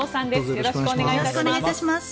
よろしくお願いします。